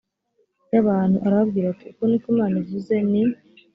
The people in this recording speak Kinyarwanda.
y abantu arababwira ati uku ni ko imana ivuze ni